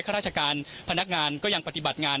ราชการพนักงานก็ยังปฏิบัติงาน